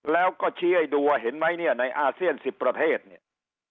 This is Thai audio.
แล้วก็ชี้ให้ดูว่าเห็นไหมเนี่ยในอาเซียน๑๐ประเทศเนี่ย